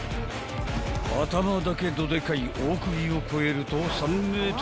［頭だけどでかい大首をこえると］